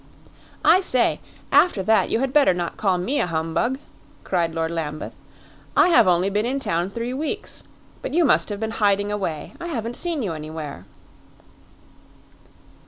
"I say, after that you had better not call me a humbug!" cried Lord Lambeth. "I have only been in town three weeks; but you must have been hiding away; I haven't seen you anywhere."